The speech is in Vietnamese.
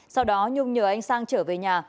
sau đó nhung nhờ anh sang trở về nhà